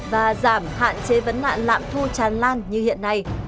và giảm hạn chế vấn nạn lạm thu tràn lan như hiện nay